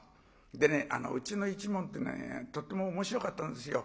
でねうちの一門ってとっても面白かったんですよ。